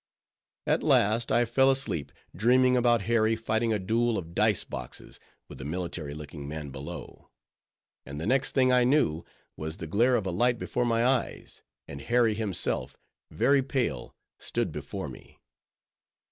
At last, I fell asleep, dreaming about Harry fighting a duel of dice boxes with the military looking man below; and the next thing I knew, was the glare of a light before my eyes, and Harry himself, very pale, stood before me.